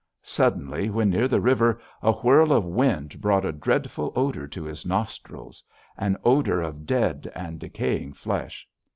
"Suddenly, when near the river, a whirl of wind brought a dreadful odor to his nostrils; an odor of dead and decaying flesh.